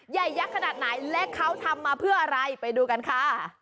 ยักษ์ขนาดไหนและเขาทำมาเพื่ออะไรไปดูกันค่ะ